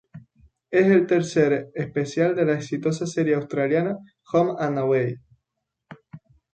Es el tercer especial de la exitosa serie australiana "Home and Away".